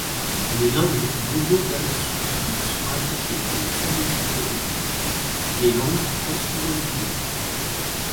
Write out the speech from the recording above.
Les langues gogodala-suki sont rattachées à une famille hypothétique, les langues trans-Nouvelle-Guinée.